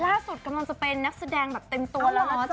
กำลังจะเป็นนักแสดงแบบเต็มตัวแล้วนะจ๊